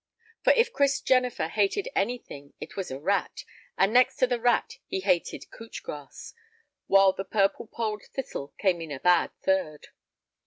For if Chris Jennifer hated anything it was a rat, and next to the rat he hated couch grass, while the purple polled thistle came in a bad third.